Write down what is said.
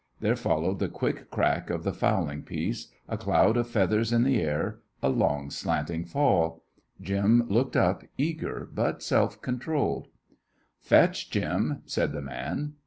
There followed the quick crack of the fowling piece, a cloud of feathers in the air, a long slanting fall. Jim looked up, eager but self controlled. "Fetch, Jim," said the man.